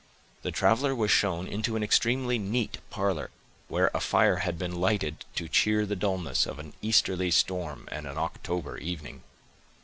The traveler was shown into an extremely neat parlor, where a fire had been lighted to cheer the dullness of an easterly storm and an October evening.